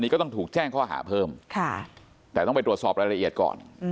ก็ต้องถูกแจ้งข้อหาเพิ่มแต่ต้องไปตรวจสอบรายละเอียดก่อน